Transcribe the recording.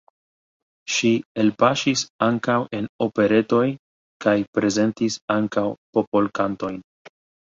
Ŝi elpaŝis ankaŭ en operetoj kaj prezentis ankaŭ popolkantojn.